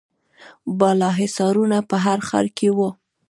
بالاحصارونه په هر ښار کې وو